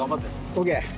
ＯＫ。